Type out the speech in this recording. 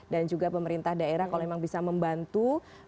juga pemerintah daerah kalau memang bisa membantu